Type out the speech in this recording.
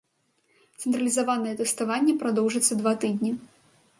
Цэнтралізаванае тэставанне прадоўжыцца два тыдні.